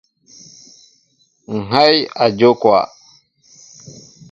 Ŋhɛy a njóka.